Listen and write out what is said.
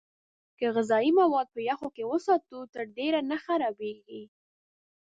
که غذايي مواد په يخ کې وساتو، تر ډېره نه خرابېږي.